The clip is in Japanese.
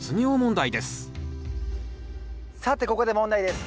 さてここで問題です。